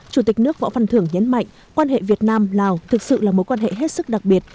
chủ tịch nước võ văn thưởng nhấn mạnh quan hệ việt nam lào thực sự là mối quan hệ hết sức đặc biệt